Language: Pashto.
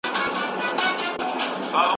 نور به نه تښتوي ورور د خور پوړنی